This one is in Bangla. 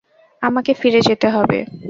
আমাকে ফিরে যেতে হবে।